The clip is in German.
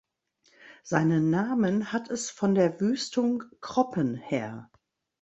Seinen Namen hat es von der Wüstung Kroppen her.